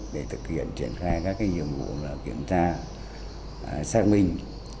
để thực hiện triển khai các nhiệm vụ kiểm tra xác minh